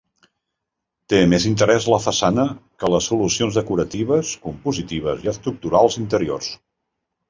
Té més interès la façana que les solucions decoratives, compositives i estructurals interiors.